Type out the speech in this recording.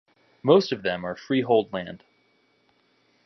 Most of them are freehold land.